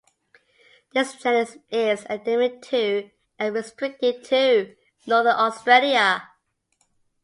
This genus is endemic to, and restricted to, northern Australia.